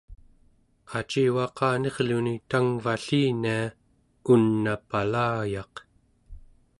acivaqanirluni tangvallinia un'a palayaq